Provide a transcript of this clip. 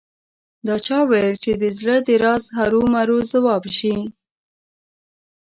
دا چا ویل چې د زړه د راز هرو مرو ځواب شي